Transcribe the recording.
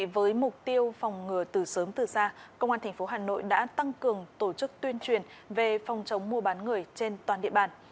với mục tiêu phòng ngừa từ sớm từ xa công an tp hà nội đã tăng cường tổ chức tuyên truyền về phòng chống mua bán người trên toàn địa bàn